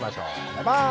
バイバーイ！